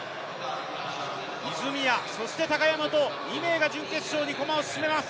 泉谷、高山と２名が準決勝に駒を進めます。